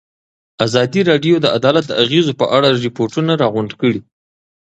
ازادي راډیو د عدالت د اغېزو په اړه ریپوټونه راغونډ کړي.